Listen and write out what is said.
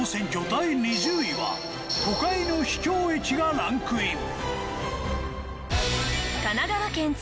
第２０位は都会の秘境駅がランクイン。